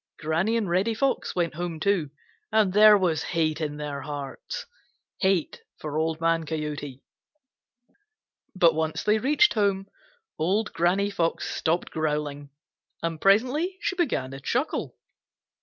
Granny and Reddy Fox went home too, and there was hate in their hearts,—hate for Old Man Coyote. But once they reached home, Old Granny Fox stopped growling, and presently she began to chuckle.